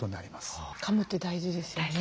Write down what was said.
かむって大事ですよね。